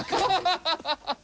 ハハハハ！